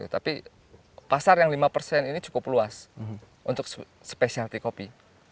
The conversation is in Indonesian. tapi pasar yang lima persen ini cukup luas untuk spesialty kopi